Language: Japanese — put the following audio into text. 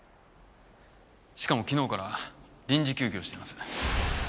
しかも昨日から臨時休業してます。